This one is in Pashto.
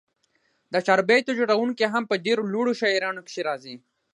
د چاربیتو جوړوونکي هم په ډېرو لوړو شاعرانو کښي راځي.